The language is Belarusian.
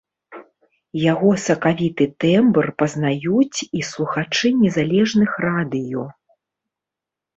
Яго сакавіты тэмбр пазнаюць і слухачы незалежных радыё.